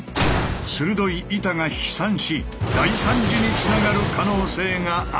鋭い板が飛散し大惨事につながる可能性があるのだ。